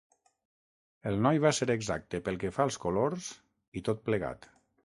El noi va ser exacte pel que fa als colors, i tot plegat.